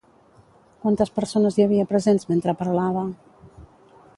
Quantes persones hi havia presents mentre parlava?